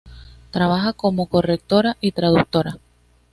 Trabaja como correctora y traductora.